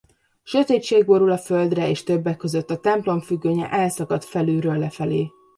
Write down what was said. Sötétség borul a földre és többek között a Templom függönye elszakad felülről lefelé.